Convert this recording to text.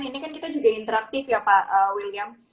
ini kan kita juga interaktif ya pak william